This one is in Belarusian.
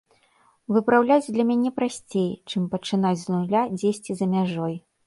Выпраўляць для мяне прасцей, чым пачынаць з нуля дзесьці за мяжой.